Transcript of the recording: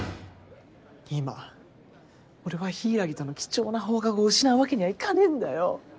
今俺は柊との貴重な放課後を失うわけにはいかねえんだよ。